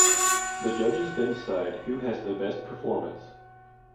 The judges then decide who has the best performance.